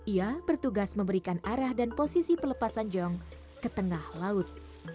ia bertugas memberikan arah dan posisi pelepasan jong ke tengah laut